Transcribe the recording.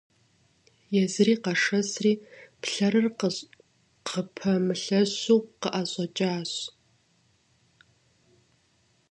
Езыри къэшэсри пхъэрыр къыпэмылъэщу къаӏэщӏэкӏащ.